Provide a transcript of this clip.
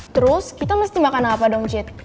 terus kita mesti makan apa dong jit